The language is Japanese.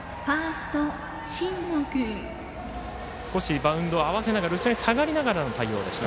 少しバウンドに合わせて後ろに下がりながらの対応でした。